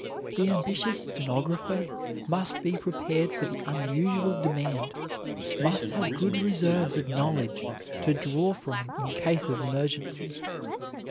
The ambitious stenographer must be prepared for the unusual demand, must have good reserves of knowledge to draw from in case of emergency.